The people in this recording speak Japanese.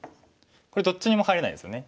これどっちにも入れないですよね。